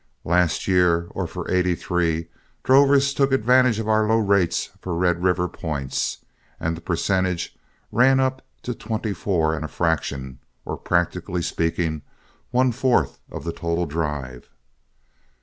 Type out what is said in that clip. Last year, or for '83, drovers took advantage of our low rates for Red River points, and the percentage ran up to twenty four and a fraction, or practically speaking, one fourth of the total drive.